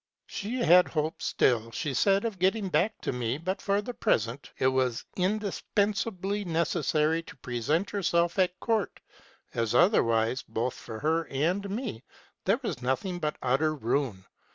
She had hopes still, she said, of getting back to me : but, for the present, it was indis pensably necessary to present herself at court; as other wise, both for her and me, there was nothing but utter ruin.